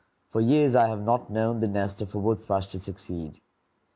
For years I have not known the nest of a wood thrush to succeed.